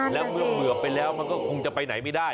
แล้วเมื่อเบื่อไปแล้วมันก็คงจะไปไหนไม่ได้